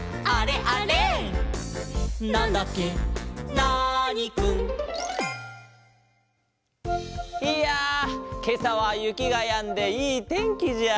ナーニくん」いやけさはゆきがやんでいいてんきじゃあ。